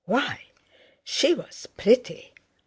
Why, she was pretty!